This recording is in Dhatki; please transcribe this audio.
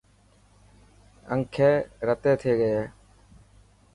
انکي رتي ٿي گئي.